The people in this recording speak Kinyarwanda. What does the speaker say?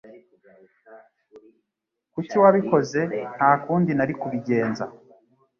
Kuki wabikoze?" "Nta kundi nari kubigenza."